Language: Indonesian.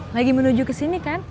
lagi menuju kesini kan